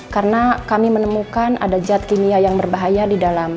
karena kami menemukan ada jad kimia yang berbahaya di dalam